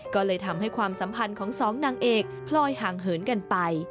ก็เลยทำให้ความสัมพันธ์ของสองนางเอกพลอยห่างเหินกันไป